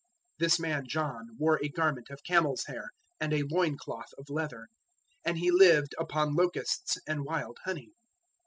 '" 003:004 This man John wore a garment of camel's hair, and a loincloth of leather; and he lived upon locusts and wild honey.